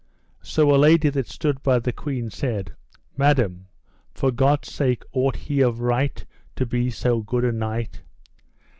So a lady that stood by the queen said: Madam, for God's sake ought he of right to be so good a knight?